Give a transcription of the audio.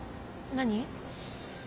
何？